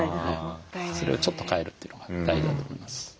それをちょっと変えるというのが大事だと思います。